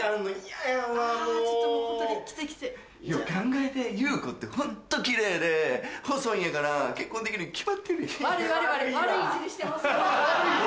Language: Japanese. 考えてユウコってホントキレイで細いんやから結婚できるに決まってるやん。